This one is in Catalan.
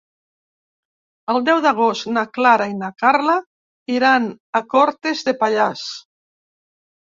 El deu d'agost na Clara i na Carla iran a Cortes de Pallars.